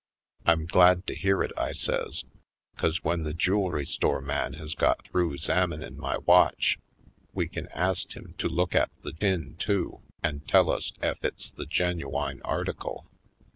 *'I'm glad to hear it," I says, " 'cause w'en the jewelry store man has got th'ough 'zaminin' my watch we kin ast him to look at the pin, too, an' tell us ef it's the genu wine article.